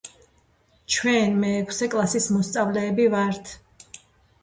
ჩვენ მეექვსე კლასის მოსწავლეები ვართ